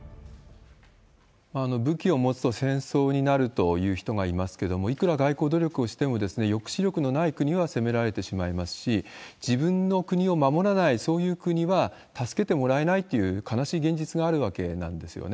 武器を持つと戦争になるという人がいますけれども、いくら外交努力をしても、抑止力のない国は攻められてしまいますし、自分の国を守らない、そういう国は助けてもらえないっていう、悲しい現実があるわけなんですよね。